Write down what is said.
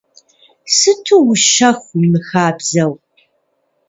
Сыту ущэху, уимыхабзэу.